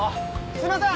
すみません！